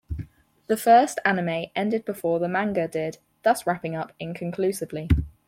The first anime ended before the manga did, thus wrapping up inconclusively.